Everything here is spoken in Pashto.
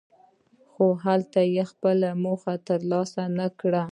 خو هلته یې خپله موخه ترلاسه نکړه.